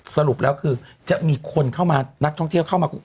สรุปแล้วคือจะมีคนเข้ามานักท่องเที่ยวเข้ามา